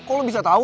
kok lo bisa tau